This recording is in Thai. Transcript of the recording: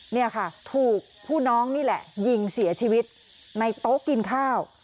นี่ค่ะถูกผู้น้องนี่แหละยิงเสียชีวิตในโต๊ะกินข้าว